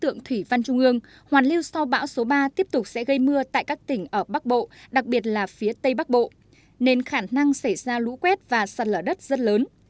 tượng thủy văn trung ương hoàn lưu sau bão số ba tiếp tục sẽ gây mưa tại các tỉnh ở bắc bộ đặc biệt là phía tây bắc bộ nên khả năng xảy ra lũ quét và sạt lở đất rất lớn